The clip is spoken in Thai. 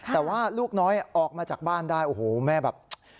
แต่ว่าลูกน้อยออกมาจากบ้านได้โอ้โหแม่แบบ